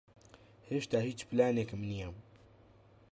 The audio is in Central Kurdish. ھێشتا ھیچ پلانێکم نییە.